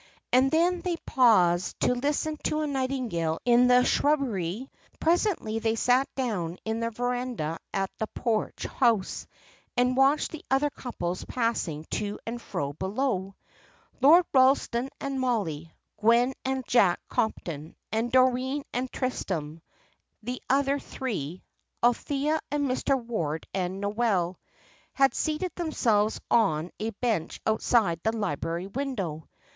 And then they paused to listen to a nightingale in the shrubbery. Presently they sat down in the verandah at the Porch House, and watched the other couples passing to and fro below. Lord Ralston and Mollie, Gwen and Jack Compton, and Doreen and Tristram; the other three, Althea and Mr. Ward and Noel, had seated themselves on a bench outside the library window.